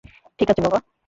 ঠিক আছে বাবা।